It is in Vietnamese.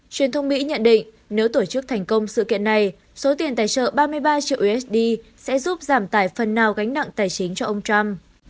truyền thông mỹ nhận định nếu tổ chức thành công sự kiện này số tiền tài trợ ba mươi ba triệu usd sẽ giúp giảm tải phần nào gánh nặng tài chính cho ông trump